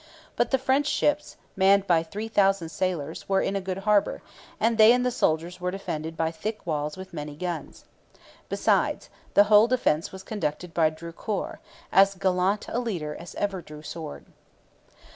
But the French ships, manned by three thousand sailors, were in a good harbour, and they and the soldiers were defended by thick walls with many guns. Besides, the whole defence was conducted by Drucour, as gallant a leader as ever drew sword.